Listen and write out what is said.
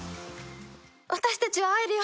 私たちは会えるよ。